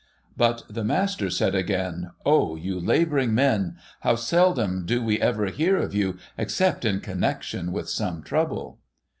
But the master said again, ' O you labouring men ! How seldom do we ever hear of you, except in connection with some trouble